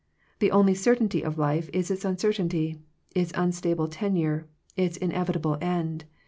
The only certainty of life is its uncertainty — its unstable tenure, its in evitable end.